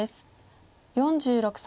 ４６歳。